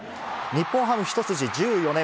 日本ハム一筋１４年。